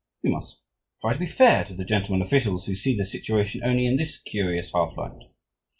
We must try to be fair to the gentlemen officials who see the situation only in this curious half light.